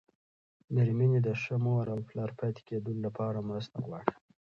مېرمنې د ښه مور او پلار پاتې کېدو لپاره مرسته غواړي.